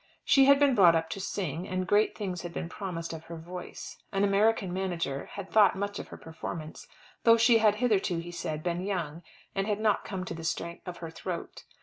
She had been brought up to sing, and great things had been promised of her voice. An American manager had thought much of her performance, though she had hitherto, he said, been young, and had not come to the strength of her throat.